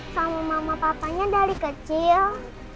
sama mama papanya dari kecil